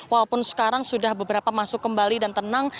walaupun sekarang sudah beberapa masuk kembali dan tenang